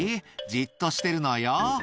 じっとしてるのよ」